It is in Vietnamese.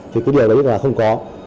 thì cái điều đấy là không có